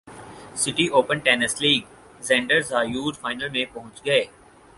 city open tennis Alexander Zverev final میں پہنچ گئے